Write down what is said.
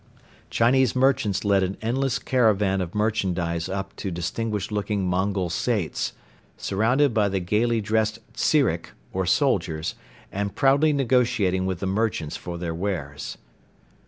Chinese merchants led an endless caravan of merchandise up to distinguished looking Mongol Saits, surrounded by the gaily dressed tzirik or soldiers and proudly negotiating with the merchants for their wares.